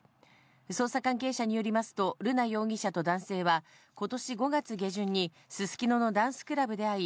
捜査関係者によりますと、瑠奈容疑者と男性はことし５月下旬に、すすきののダンスクラブで会い、